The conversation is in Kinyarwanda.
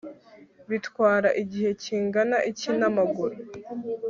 Bitwara igihe kingana iki namaguru